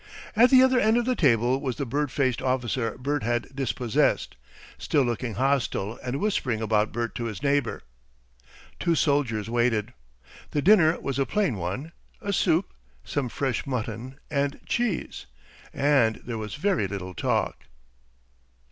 At the other end of the table was the bird faced officer Bert had dispossessed, still looking hostile and whispering about Bert to his neighbour. Two soldiers waited. The dinner was a plain one a soup, some fresh mutton, and cheese and there was very little talk.